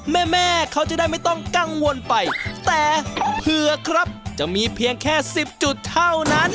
แม่แม่เขาจะได้ไม่ต้องกังวลไปแต่เผื่อครับจะมีเพียงแค่สิบจุดเท่านั้น